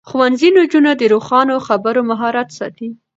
ښوونځی نجونې د روښانه خبرو مهارت ساتي.